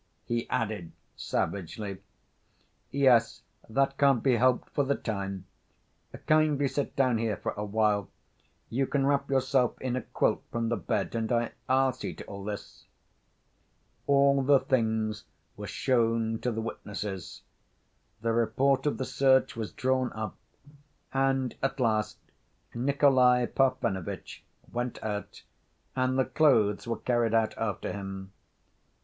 he added savagely. "Yes, that can't be helped for the time.... Kindly sit down here for a while. You can wrap yourself in a quilt from the bed, and I ... I'll see to all this." All the things were shown to the witnesses. The report of the search was drawn up, and at last Nikolay Parfenovitch went out, and the clothes were carried out after him.